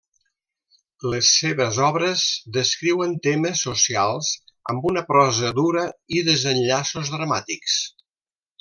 Les seves obres descriuen temes socials, amb una prosa dura i desenllaços dramàtics.